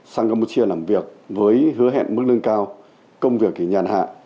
sang campuchia làm việc với hứa hẹn mức lương cao công việc nhàn hạ